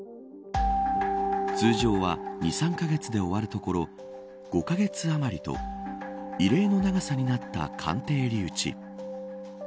通常は２、３カ月で終わるところ５カ月余りと異例の長さになった鑑定留置。